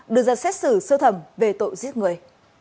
đưa ra xét xử sơ thẩm về tội giết người